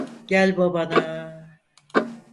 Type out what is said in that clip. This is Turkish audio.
Gel babana.